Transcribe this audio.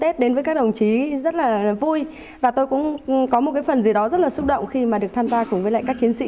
tết đến với các đồng chí rất là vui và tôi cũng có một cái phần gì đó rất là xúc động khi mà được tham gia cùng với lại các chiến sĩ